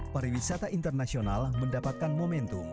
pariwisata internasional mendapatkan momentum